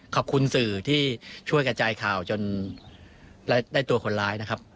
ขอบคุณสื่อที่ช่วยกระจายข่าวจนได้ตัวคนร้ายนะครับ